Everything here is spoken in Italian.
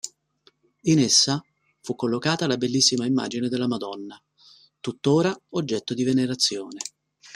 In essa fu collocata la bellissima immagine della Madonna, tuttora oggetto di venerazione.